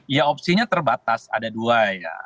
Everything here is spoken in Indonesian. ya opsinya terbatas ada dua ya